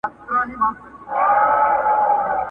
په سفر درڅخه ولاړم مسافر درڅخه مرمه؛